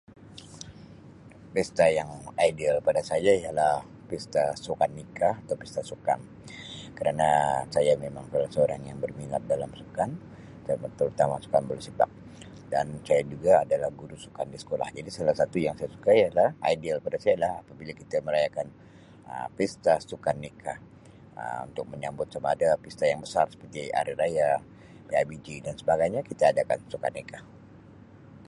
Pesta yang ideal pada saya ialah pesta sukaneka dan pesta sukan kerana saya memang [unintelligible] seorang yang berminat dalam sukan te-terutama sukan bola sepak dan saya juga adalah guru sukan di sekolah jadi salah satu yang saya suka ialah, ideal pada saya ialah apabila Um kita merayakan pesta sukaneka Um untuk menyambut pesta yang besar sama ada pesta hari raya, PIBG dan sebagainya kita adakan sukaneka.